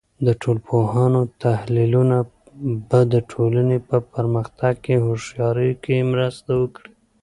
د ټولنپوهانو تحلیلونه به د ټولنې په پرمختګ کې هوښیارۍ کې مرسته وکړي.